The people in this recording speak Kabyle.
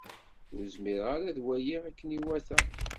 Ur zmireɣ ara ad waliɣ akken iwata.